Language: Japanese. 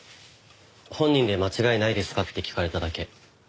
本人で間違いないですか？って聞かれただけ。